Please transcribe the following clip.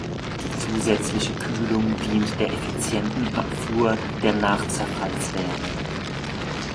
Diese zusätzliche Kühlung dient der effizienten Abfuhr der Nachzerfallswärme.